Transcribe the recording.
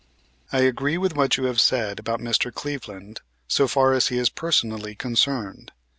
I agree with what you have said about Mr. Cleveland, so far as he is personally concerned.